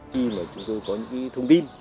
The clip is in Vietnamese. khi mà chúng tôi có những thông tin